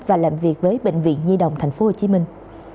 và làm việc với bệnh viện nhi đồng thành phố hồ chí minh